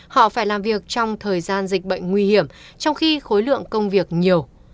họ phải làm việc trong thời gian dịch bệnh nguy hiểm trong khi khối lượng công việc nhiều